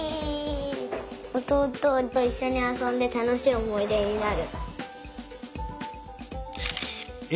おとうとといっしょにあそんでたのしいおもいでになる。